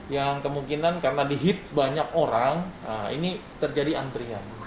yang kemungkinan karena di hits banyak orang ini terjadi antrian